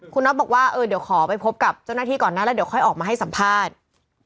คุณน็อตบอกว่าเออเดี๋ยวขอไปพบกับเจ้าหน้าที่ก่อนนะแล้วเดี๋ยวค่อยออกมาให้สัมภาษณ์